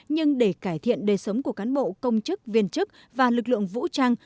nhưng để cải thiện đời sống của cán bộ công chức viên chức và lực lượng vũ trang